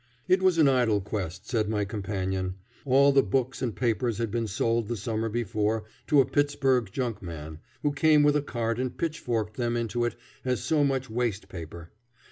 It was an idle quest, said my companion; all the books and papers had been sold the summer before to a Pittsburg junkman, who came with a cart and pitchforked them into it as so much waste paper.